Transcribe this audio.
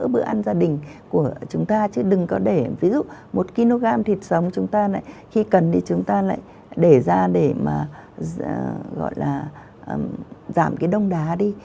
bữa ăn gia đình của chúng ta chứ đừng có để ví dụ một kg thịt sống chúng ta lại khi cần thì chúng ta lại để ra để mà gọi là giảm cái đông đá đi